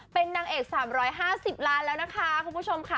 เป็นนางเอกสามร้อยห้าสิบล้านแล้วนะคะคุณผู้ชมค่ะ